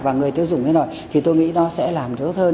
và người tiêu dùng thế rồi thì tôi nghĩ nó sẽ làm tốt hơn